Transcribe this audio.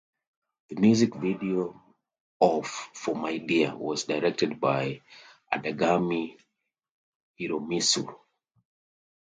The music video of For My Dear... was directed by Odagami Hiromitsu.